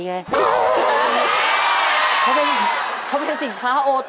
เขาเป็นสินค้าโอท็อปพอร์ต